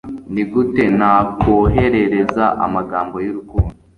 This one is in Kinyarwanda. nigute nakwoherereza amagambo yurukundo